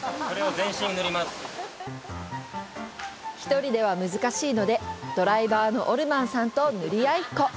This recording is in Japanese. １人では難しいのでドライバーのオルマンさんと塗り合いっこ。